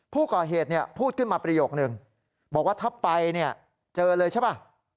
ผู้ก่อเหตุพูดขึ้นมาประโยคนึงบอกว่าถ้าไปเนี่ยเจอเลยใช่ป่ะ